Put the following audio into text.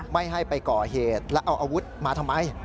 ไม่ให้ไปก่อเหตุแล้วเอาอาวุธมาทำไม